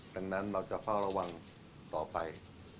ดังนั้นเราจะเฝ้าระวังต่อไป